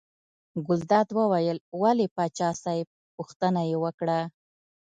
ګلداد وویل ولې پاچا صاحب پوښتنه یې وکړه.